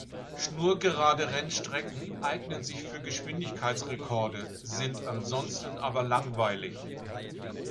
Schnurgerade Rennstrecken eignen sich für Geschwindigkeitsrekorde, sind ansonsten aber langweilig.